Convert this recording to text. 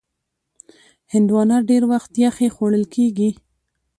هندوانه ډېر وخت یخې خوړل کېږي.